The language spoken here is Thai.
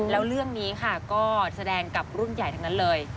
แล้วเรื่องนี้ค่ะก็แสดงกับรุ่นใหญ่ทั้งนั้นเลย